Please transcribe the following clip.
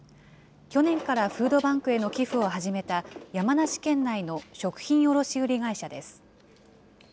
去年からフードバンクへの寄付を始めた山梨県内の食品卸売会社です。